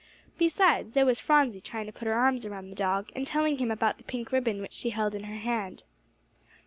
Besides, there was Phronsie trying to put her arms around the dog, and telling him about the pink ribbon which she held in her hand.